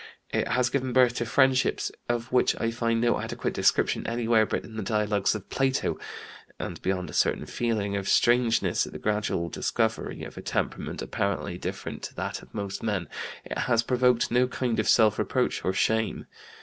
It has given birth to friendships of which I find no adequate description anywhere but in the dialogues of Plato; and, beyond a certain feeling of strangeness at the gradual discovery of a temperament apparently different to that of most men, it has provoked no kind of self reproach or shame.